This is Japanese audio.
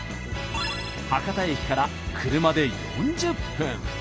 博多駅から車で４０分。